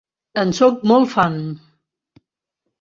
En sóc molt fan!